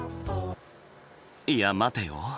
いや待てよ。